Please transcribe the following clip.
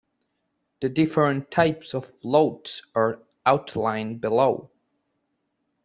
The different types of loads are outlined below.